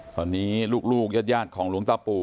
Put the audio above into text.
ตอนนี้ลูกยัดยาดของลุงเต้าปู่